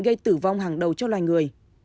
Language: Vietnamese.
gây tử vong hàng đầu cho loài người